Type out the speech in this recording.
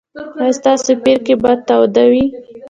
ایا ستاسو پیرکي به تاوده وي؟